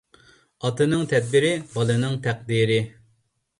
ئاتىنىڭ تەدبىرى بالىنىڭ تەقدىرى.